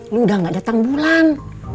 lo udah gak dateng bulan